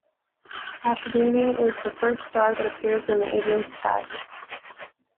Ashvini is the first star that appears in the evening sky.